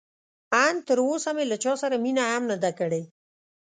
ان تراوسه مې له چا سره مینه هم نه ده کړې.